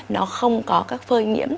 nó không có các phơi nhiễm